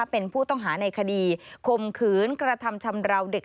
เป็นผู้ต้องหาในคดีคมขืนกระทำชำราวเด็ก